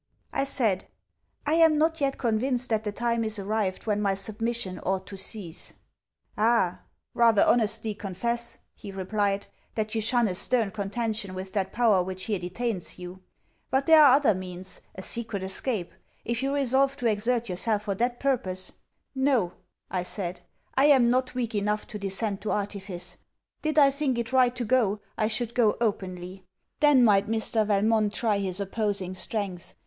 I said, 'I am not yet convinced that the time is arrived when my submission ought to cease.' 'Ah, rather, honestly confess,' he replied, 'that you shun a stern contention with that power which here detains you. But there are other means. A secret escape. If you resolve to exert yourself for that purpose ' 'No,' I said, 'I am not weak enough to descend to artifice. Did I think it right to go, I should go openly. Then might Mr. Valmont try his opposing strength.